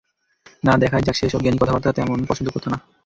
না, দেখাই যাক, সে এসব জ্ঞানী কথাবার্তা তেমন পছন্দ করতো না।